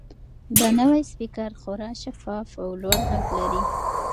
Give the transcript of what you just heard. دا نوی سپیکر خورا شفاف او لوړ غږ لري.